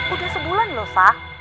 udah sebulan lho sah